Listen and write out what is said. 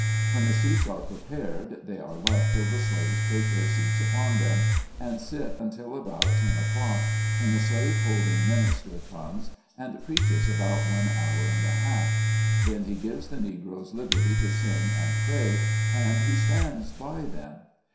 When the seats are prepared, they are left till the slaves take their seats upon them, and sit until about ten 182 SKETCHES OF SLAVE LIFE. o'clock, when the slave holding minister comes, and preaches about one hour and a half. Then he gives the Negroes liberty to sing and pray, and he stands by them.